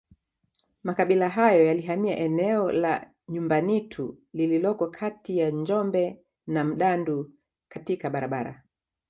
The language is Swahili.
Makabila hayo yalihamia eneo la Nyumbanitu lililoko kati ya Njombe na Mdandu katika barabara